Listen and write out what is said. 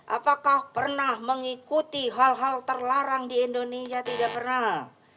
apakah pernah mengikuti hal hal terlarang di indonesia tidak pernah